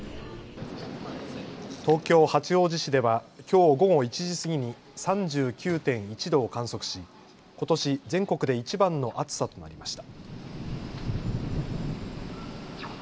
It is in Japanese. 東京八王子市ではきょう午後１時過ぎに３９．１度を観測し、ことし全国でいちばんの暑さとなりました。